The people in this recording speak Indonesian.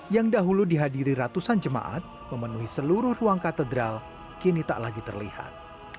yang dahulu dihadiri ratusan jemaat memenuhi seluruh ruang katedral kini tak lagi terlihat